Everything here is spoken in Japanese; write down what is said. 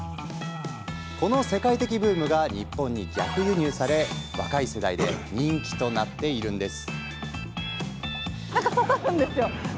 この世界的ブームが日本に逆輸入され若い世代で人気となっているんです。